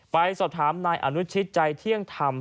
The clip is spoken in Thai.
ไปสอบถามนายอนุชิตใจเที่ยงธรรม